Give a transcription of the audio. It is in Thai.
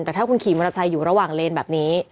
แต่ถ้าคุณขี่มอเตอร์ไซค์อยู่ระหว่างเลนแบบนี้